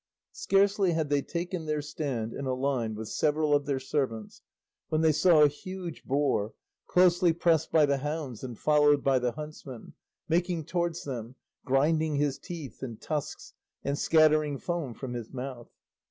Scarcely had they taken their stand in a line with several of their servants, when they saw a huge boar, closely pressed by the hounds and followed by the huntsmen, making towards them, grinding his teeth and tusks, and scattering foam from his mouth.